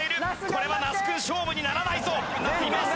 これは那須君勝負にならないぞ。